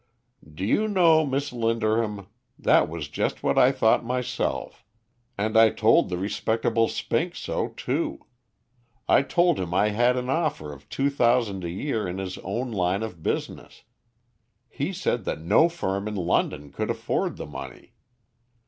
"Do you know, Miss Linderham, that was just what I thought myself, and I told the respectable Spink so, too. I told him I had had an offer of two thousand a year in his own line of business. He said that no firm in London could afford the money.